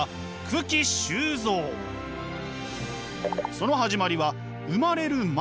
その始まりは生まれる前。